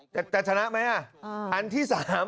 จะชนะไหมอ่ะอันที่๓